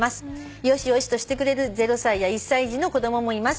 「よしよしとしてくれる０歳や１歳児の子供もいます」